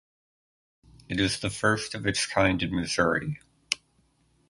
It is the first of its kind in Missouri.